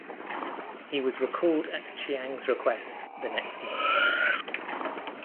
He was recalled at Chiang's request the next month.